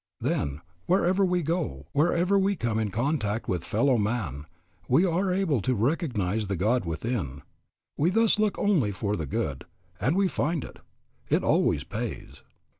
Then, wherever we go, whenever we come in contact with the fellow man, we are able to recognize the God within. We thus look only for the good, and we find it. It always pays.